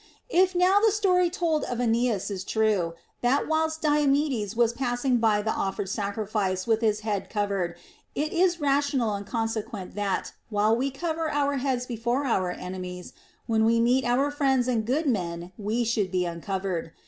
If now the story told of Aeneas be true, that whilst Diomedes was passing by he offered a sacrifice with his head covered, it is rational and consequent that, while we cover our heads before our ene mies, when we meet our friends and good men we should be uncovered.